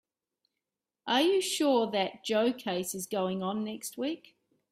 Are you sure that Joe case is going on next week?